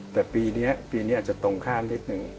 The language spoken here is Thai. แต่ปีนี้อาจจะตรงข้างเล็กนึง